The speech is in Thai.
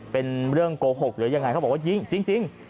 เป็นเรื่องโกหกหรือยังไงเขาบอกว่ายิงจริง